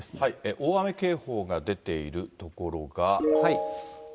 大雨警報が出ている所が。